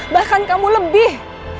bahkan kamu lebih